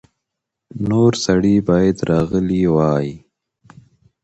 نور سړي باید راغلي وای.